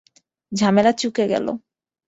ঝামেলা চুকে গেল।